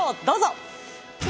どうぞ。